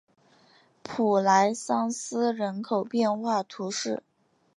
普莱桑斯人口变化图示